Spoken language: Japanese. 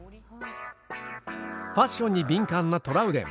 ファッションに敏感なトラウデン。